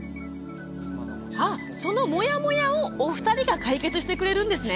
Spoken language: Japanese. あ、そのもやもやをお二人が解決してくれるんですね。